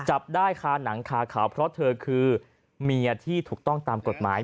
จับได้คาหนังคาขาวเพราะเธอคือเมียที่ถูกต้องตามกฎหมาย